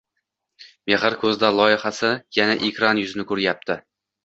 “Mexr ko‘zda” loyihasi yana ekran yuzini ko‘ryapti.